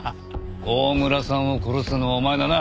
大村さんを殺したのはお前だな？